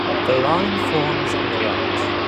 The line forms on the right.